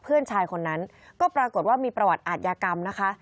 เพื่อนชายคนนั้นก็ปรากฏว่ามีประวัติอาทยากรรมนะคะ